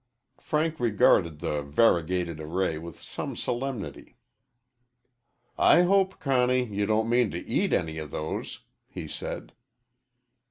Frank regarded the variegated array with some solemnity. "I hope, Conny, you don't mean to eat any of those," he said.